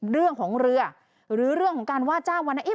เรื่องของเรือหรือเรื่องของการว่าจ้างวันนั้น